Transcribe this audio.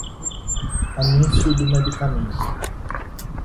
Anúncio do medicamento